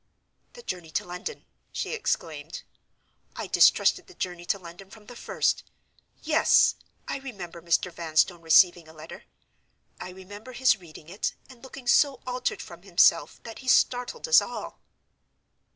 "The journey to London!" she exclaimed. "I distrusted the journey to London from the first! Yes! I remember Mr. Vanstone receiving a letter—I remember his reading it, and looking so altered from himself that he startled us all."